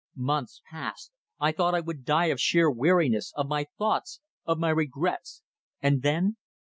Months passed. I thought I would die of sheer weariness, of my thoughts, of my regrets And then